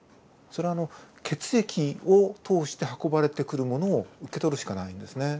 それはあの血液を通して運ばれてくるものを受け取るしかないんですね。